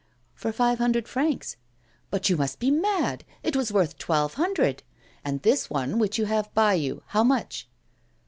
'"For five hundred francs." '"But you must be mad; it was worth twelve hundred. And this one which you have by you how much?"